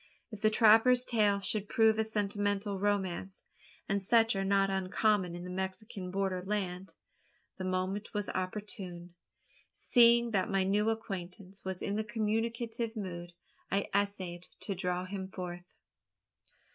If the trapper's tale should prove a sentimental romance and such are not uncommon in the Mexican border land the moment was opportune. Seeing that my new acquaintance was in the communicative mood, I essayed to draw him forth.